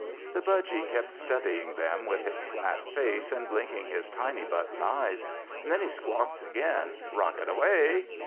The budgy kept studying them with his flat face and blinking his tiny button eyes. Then he squawked again, "Rocket away!"